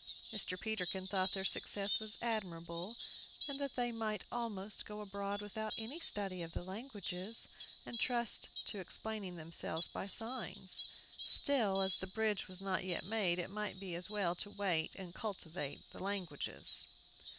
Mr. Peterkin thought their success was admirable, and that they might almost go abroad without any study of the languages, and trust to explaining themselves by signs. Still, as the bridge was not yet made, it might be as well to wait and cultivate the languages.